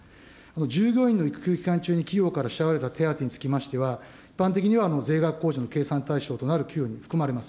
従業員の育休期間中に、企業から支払われた手当につきましては、一般的には税額控除の計算対象となる給与に含まれます。